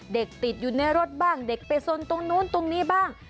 เด็กติดอยู่ในรถบ้างเด็กไปสนตรงนู้นตรงนี้บ้าง